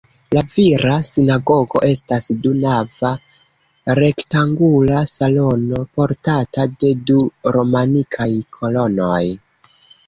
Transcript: La vira sinagogo estas du-nava rektangula salono portata de du romanikaj kolonoj.